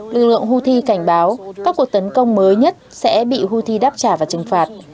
lực lượng houthi cảnh báo các cuộc tấn công mới nhất sẽ bị houthi đáp trả và trừng phạt